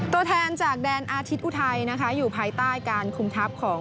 ตัวแทนจากแดนอาทิตย์อุทัยนะคะอยู่ภายใต้การคุมทัพของ